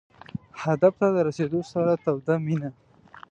هدف ته د رسېدو سره توده مینه.